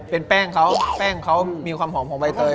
เป็นแป้งเค้ามีความหอมใบเตย